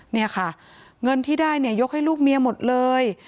เนี่ยค่ะเงินที่ได้เนี่ยยกให้ลูกเมียหมดเลย